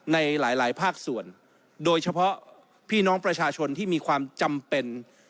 ในหลายภาคส่วนโดยเฉพาะพี่น้องประชาชนที่มีความจำเป็น